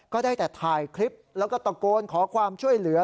ก็ได้แต่ถ่ายคลิปแล้วก็ตะโกนขอความช่วยเหลือ